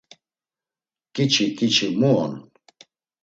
Ǩiç̌i ǩiç̌i mu on?